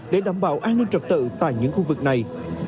để đảm bảo an ninh trật tự tại những khu vực này